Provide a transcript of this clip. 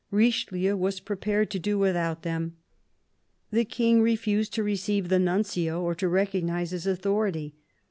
Richelieu was prepared to do without them. The King refused to receive the Nuncio, or to recognize his authority.